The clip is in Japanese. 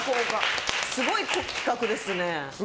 すごい企画ですね。